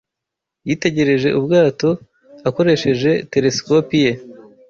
Yitegereje ubwato akoresheje telesikope ye.